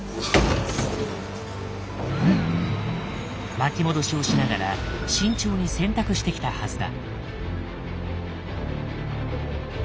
巻き戻しをしながら慎重に選択してきたはずだ。